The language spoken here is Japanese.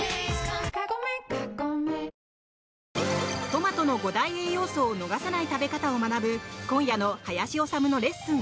トマトの五大栄養素を逃さない食べ方を学ぶ今夜の「林修のレッスン！